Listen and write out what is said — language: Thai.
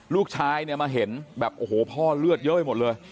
ลูกชายเนี่ยมาเห็นแบบโอ้โหพ่อเลือดเยอะไปหมดเลย